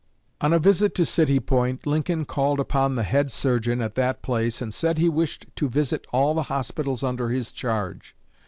On a visit to City Point, Lincoln called upon the head surgeon at that place and said he wished to visit all the hospitals under his charge.